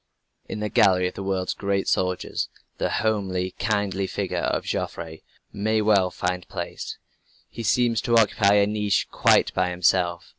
In the gallery of the world's great soldiers, the homely, kindly figure of Joffre may well find place. He seems to occupy a niche quite by himself.